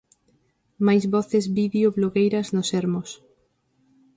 Máis voces vídeo blogueiras no Sermos.